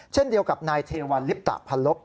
เช่นเดียวกับนายเทวันลิปตะพันลบ